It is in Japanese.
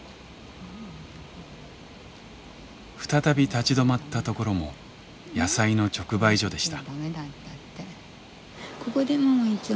再び立ち止まったところも野菜の直売所でした。